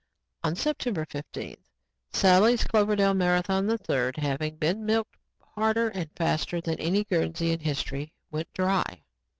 On September 15th, Sally's Cloverdale Marathon III, having been milked harder and faster than any Guernsey in history, went dry.